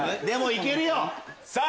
でも行けるよ！